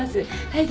「はい。